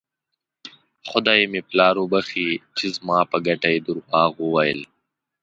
خدای مې پلار وبښي چې زما په ګټه یې درواغ ویل.